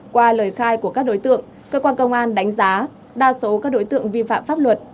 qua lời khai của các đối tượng cơ quan công an đánh giá đa số các đối tượng vi phạm pháp luật